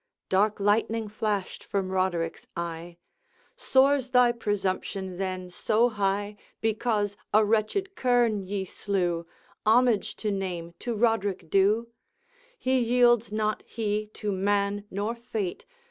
Dark lightning flashed from Roderick's eye: 'Soars thy presumption, then, so high, Because a wretched kern ye slew, Homage to name to Roderick Dhu? He yields not, he, to man nor Fate!